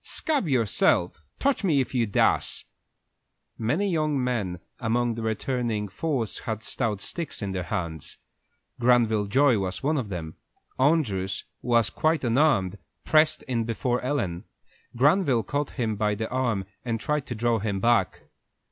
"Scab yourself! Touch me if you dasse!" Many young men among the returning force had stout sticks in their hands. Granville Joy was one of them. Andrew, who was quite unarmed, pressed in before Ellen. Granville caught him by the arm and tried to draw him back.